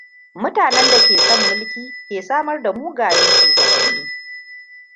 Mutanen da ke son mulki ke samar da mugayen shugabanni.